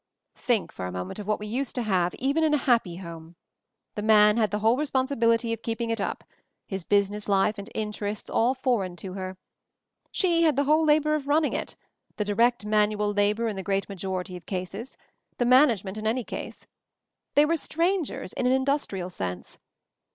"Think for a moment of what we used to have — even in a 'happy home.' The man had the whole responsibility of keeping it up — his business life and interests all for eign to her. She had the whole labor of running it — the direct manual labor in the MOVING THE MOUNTAIN 119 great majority of cases — the management in any case. They were strangers in an indus trial sense.